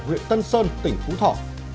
huyện tân sơn tỉnh phú thỏ